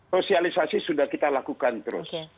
sosialisasi sudah kita lakukan terus